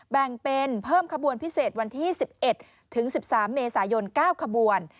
แบ่งเป็นเพิ่มขบวนพิเศษวันที่๑๑ถึง๑๓เมษายน๙ขบวน